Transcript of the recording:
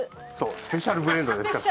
スペシャルブレンドですから。